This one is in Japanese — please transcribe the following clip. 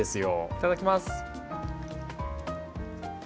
いただきます。